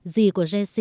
gì của jesse